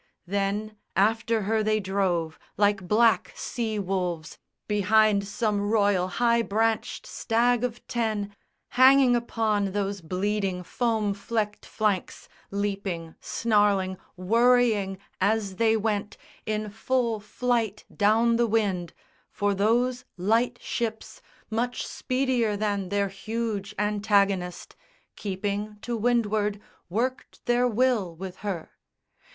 Then after her they drove, like black sea wolves Behind some royal high branched stag of ten, Hanging upon those bleeding foam flecked flanks, Leaping, snarling, worrying, as they went In full flight down the wind; for those light ships Much speedier than their huge antagonist, Keeping to windward, worked their will with her.